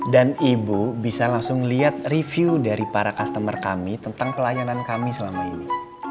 dan ibu bisa langsung lihat review dari para customer kami tentang pelayanan kami selama ini